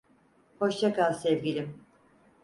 Hoşça kal sevgilim.